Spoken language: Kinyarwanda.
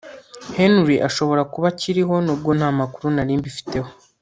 Henry ashobora kuba akiriho nubwo ntamakuru nari mbifiteho